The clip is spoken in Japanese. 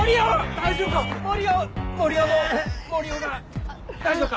大丈夫か？